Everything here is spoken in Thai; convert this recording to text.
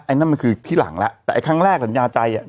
นั่นมันคือที่หลังแล้วแต่ไอ้ครั้งแรกสัญญาใจอ่ะ